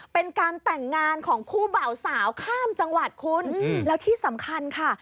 เป็นการแต่งงานของคู่บ่าวสาวข้ามจังหวัดคุณแล้วที่สำคัญค่ะ